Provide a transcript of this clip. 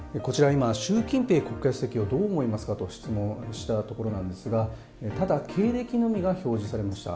今、習近平国家主席をどう思いますかと質問したところなんですが、ただ経歴のみが表示されました。